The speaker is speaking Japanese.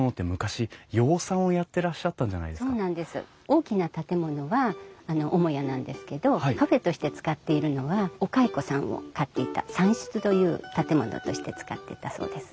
大きな建物はあの母屋なんですけどカフェとして使っているのはお蚕さんを飼っていた蚕室という建物として使ってたそうです。